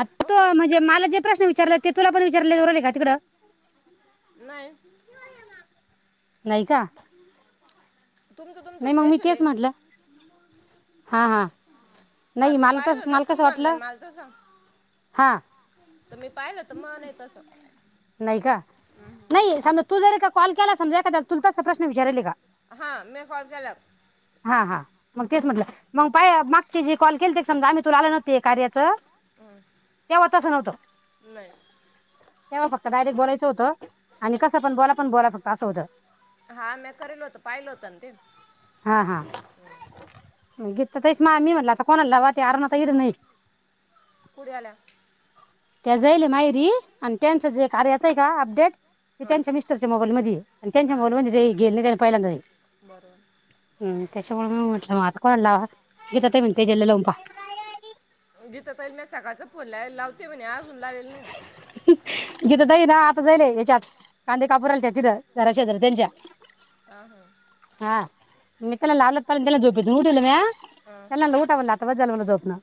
आता तो म्हणजे मला जे प्रश्न विचारल्यात ते तुला पण विचारले राहीले का तिकडं? नाही. नाही का. तुमचं तुमचं नाही मंग मी स्पेशल आहे तेच म्हटलं. हा हा काल नाही मी मला पाहिल तस ना मला कसं तूम्हाला न वाटलं मला तसं. हा तर मी पाहिलं त मला नाय तसं. नाही का, नाही साम तू जर एका कॉ- ल केला समाजा एखादा तुल तसा प्रश्न विचाराले का? हा मी कॉल केल्याव. हा हा मग तेच म्हटलं. मग पाय मागचे जे कॉल केलते समजा आम्ही तुला आलं नव्हती कार्याचं. हम् तस नव्हतं. नाही. तेंव्हा फक्त डायरेक्ट बोलायचं होतं आणि कसं पण बोला पण बोला फक्त असं होतं. हा मॅ करील होत, पाहिलं होत ना ते. हां हा गी- ता तेच मा मी म्हटलं आता कोणाला लाव ते अरुता ताई नाहीत. पुढे आल्या. त्या जाईले मायेरी आणि त्यांचं जे कार्याच आहे का अपडेट, ते हां त्यांच्या मिस्टरच्या मोबाईल मदीये आणि त्यांच्या हां मोबाईल हां मदी ते गेल नाही, त्यानी पहिल्यांदाय. बरोबर त्याच्यामुळे म म्हटलं मझ कॉल लावा गीता ताई म्हणते जल लवून पाहा. बोलाय लाव- ते म्हने आजून लावेल नायी. जल्या हेच्यात, कांदे कापू राहील्या तिथं घराशेजारी त्यांच्या. ह ह हा मी त्याला लावलत पा त्याला झोपेतून उठवलं म्या. हां येनाना उटा म्हटलं आता, बस झाल म्हंटल झोप. ना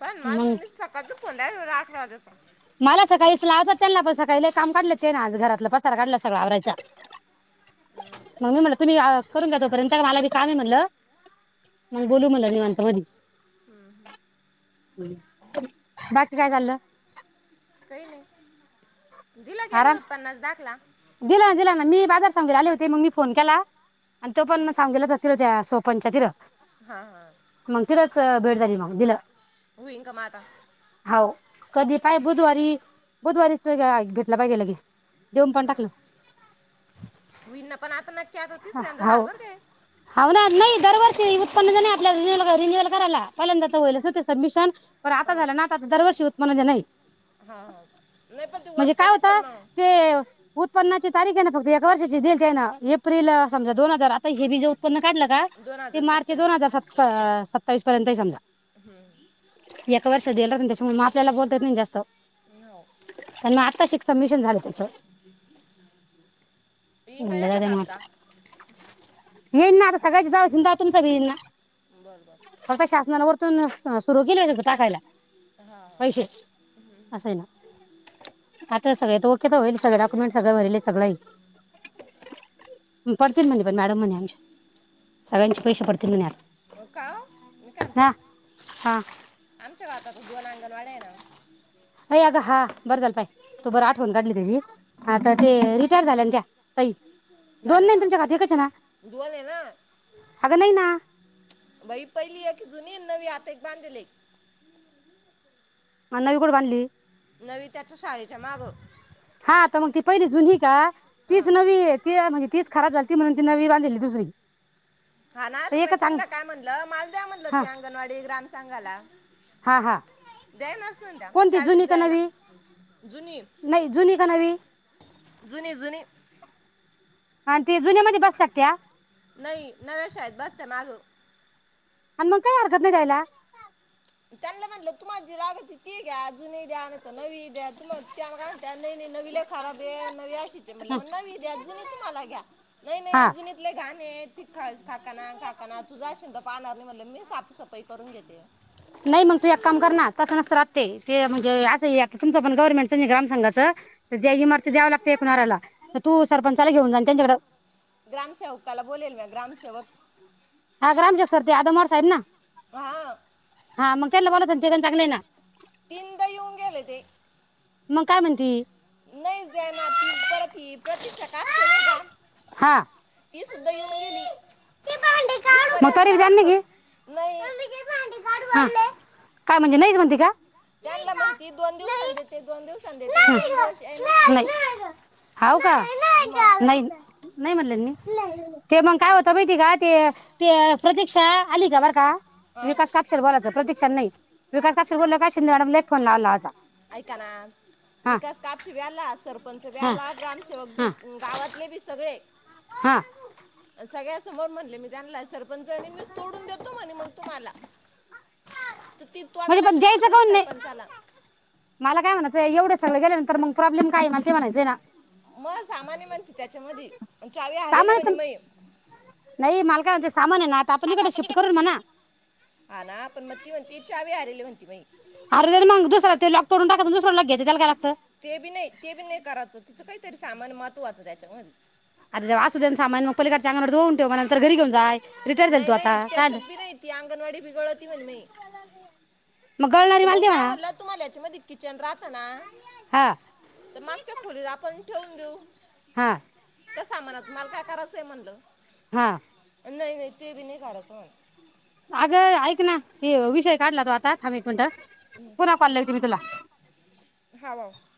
पण मा मी सकाळचं फोन लाव आठ वाजाच मला सकाळीस लाव त्यांना पण सकाळी काम काढलं ते ना आज घरातलं पसार काढलं सगळ आवरायचा. मग मी म्हटलं तुम्ही- करून घ्या तोपर्यंत मला बी काम म्हटलं मग बोलू म्हटल निवांत मधी. बाकी काय चाल्लं? काही नाही. दिला की यांनी आराम उत्पन्नास दाखला. दिला ना दिला ना मी बाजार समजर आले होते, मग मी फोन केला. आणि तो पण म सांगला जातील हो त्या सोप- पंचातीर हां हां मग तिथच भेट झाली मग. दिला. होइन का म आता. कधी पाय बुधवारी, बुधवारीच गा य भेटला पाहिजे लगी. दि- हा होईना पण आता नक्की आता- ह तिसऱ्यांदा झालं हाव बरं हावना नाही दरवर्षी उत्पन्न झा आपल्या रिनी रिन्युवल कराला पहिल्यांदा तर वईलच ते सब्मिशन. पर आता काय झालं ना आता दरवर्षी होइ- [unintelligible] नाही. हा हा नाही पण ते म्हणजे होत का काय नाही पण होतं, मग ते उत्पन्नाचे तारीक आहे ना फक्त एका वर्षची देलतीय ना ए प्रिल समज दो हजार आता हे बी जे उत्पन्न, काढलं का दोन ते हजार मार्च सत्तावीस दोन हजार सत सत तवीसपर्यंताय समजा. एका वर्ष दिल नाही त्याच्यामुळे म आपल्याला बोलत नाही जास्त, हो प मग आता शिक समिशन झालं. नंद येईन का कार एखादा मा हप्ता [unintelligible] येईल ना आ सगळयांचा दहा तुमचा बी येईल ना. बरं बरं फक्त शासना वरतून सुरू केली हो टाकायला हा पैसे हा असं आहे ना आता सगळे ओके तर होईल सगळे डॉक्युमेंट सगळं भरले सगळं आहे. पडतील म्हणे पण मॅडम म्हणे आमच्या सगळ्यांचे पैसे पडतील म्हणे आत्ता. हो का मी काय म्हणते हा आमच्या गावातात दोन अंगणवाड्या आहे ना. अ अगं हा बरं झालं बाई तो बर आठवण काढली त्याची आता ते रिटायर झाल्या ना त्या ताई दोन नाही ना झालया तुमच्या खात्याकच ना दोन आहे ना अगं नाही ना बाई पहिली एक जुनी. नवी आत एक बांधलेले एक मड नवी कुठे बाधली. नवी त्याच्या शाळेच्या मागं. पहिले जुनी का? तीच हं. नवी ती म्हणजे तीच खराब झाली ती म्हणून ती नवी बांधलेली दुसरी हा ना तर तुम्ही एकच अंग त्यांना काय म्हणलं माल द्या म्हणलं हा हती अंगणवाडी ग्रामपंचायत सांगाला. हा हा द्या ना सना त्या कोणती जुनी चाळीस का द्या ना नवी जुनी नाही जुनी का नवी जुनी जुनी अ ते जुन्या मध्ये बसतात त्या नाही नव्या शाळेत बसतान आजून आणि मग काय हरकत नाही दयाला. त्यांना म्हटलं तुम्हाला जी लागत त ती घ्या अजून द्या नवी द्या त नवीला खराब नवी मग नवी द्या जुनी तुम्हाला घ्या नाही नाही हा जुनीतले घाण ति ख काकाना काकाना तुझा शिंद पाहणार नाही म्हटलं मी साफसफाई करून घेते. नाही मग तू एक काम कर ना तसं नसत राहते ते म्हणजे असं आता तुमचं पण गव्हर्नमेंटचं नाही ग्रामसचं तर ज्या इमारती द्याव लागते एकणाऱ्याला तर तू सरपंचाला घेऊन जा त्यांच्याकडे ग्रामसेवकाला बोलेल म्या ग्रामसेवक हा ग्राच्याक्षर्ती आदमोर साहेब ना हा हा मग त्यांना बोलायचं ते पण चांगलंय ना. तीनदा येऊन गेलेत ते मग काय म्हणते. नाही दे ना ती परत ह प्रतीक्षा कापसे नाही का हा ती सुद्धा येऊन गेली. मग इथपर्यंत तरी जा पोहोचलं ग नाही काय म्हणजे नाही म्हणजे. ती का. त्यांना म्हणती दोन दिवसां देते. दोन दिवसांनी देते आणि दोन दिवस येईनच नाही अजून हव का मग नाही नाही म्हणले मी. ते मग काय होत माहिती का ते ते प्रतीक्षा आली का बर का. हं, विकास कापशेला बोलायचं प्रतीक्षा नाही विकास कापशेला बोललं कि शिेदे मॅडमला फोन लावला. ऐकाना हा विकास कापशी बी आला, सरपंच बी हा आला, ग्रामसेवक हा बी गावातले बी सगळे ते हा सगळ्या समोर म्हणले मी त्यांना सरपंच आणि मी तोडून देतो म्हणे मग तुम्हाला तू ती म्हणजे तोडालाट पण द्यायचं म्हणून काऊन नाही सरपंचा आला. मला काय म्हणायचं एवढंच सगं गेल्या नंतर मग प्रॉब्लेम का आहे मला ते म्हणायचें ना मग सामान्य म्हणते त्याच्या मध्ये चावी हारले म्हणजे मय कागज आ हा ना मग त म्हणते चावी हारवली म्हणते अम [unintelligible] अरे मग दुसरा ते लॉक करून टाकात दुसरा ल घय त्याला लागतं ते बी नाही ते बी नाही करायचं तिचं काही री सामान महत्वाचं त्याच्या अरे असू दे्या सामान मग पलीकडच्या अंगाला धुऊन ठेव म नंत घरी घेऊन जाय रिटायर झाली नाही तू आता नाही काय त्याच्यात झालं? बी नाही ती अंगणवाडी बिगळती म्हण मय मग गळणारी तर माल मग दे म्या म्हणा म्हणला तुम्हाला याच्यामध्ये किचन राहत ना, हा तर मागच्या खोलीत आपण ठेऊन देउ हा त्या सामानात मला काय करायचंय म्हणलं हा नाही नाही तेबी नाही कारक हो अगं ऐक ना ते विषय काढला तो आता थाब एक मिनिट ह पुन्हा कॉल देते मी तुला हॅलो